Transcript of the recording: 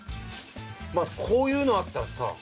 まあこういうのあったらさ。